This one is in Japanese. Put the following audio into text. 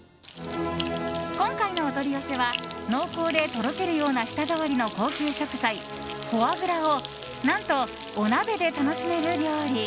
今回のお取り寄せは濃厚でとろけるような舌触りの高級食材フォアグラを何と、お鍋で楽しめる料理。